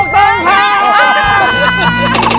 พูดตรงข้าว